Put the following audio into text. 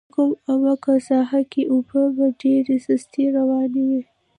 په کم عمقه ساحه کې اوبه په ډېره سستۍ روانې وې.